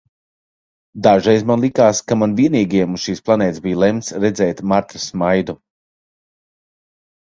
Dažreiz man likās, ka man vienīgajam uz šīs planētas bija lemts redzēt Martas smaidu.